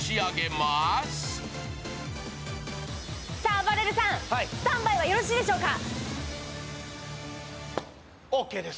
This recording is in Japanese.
あばれるさん、スタンバイはよろしいでしょうか？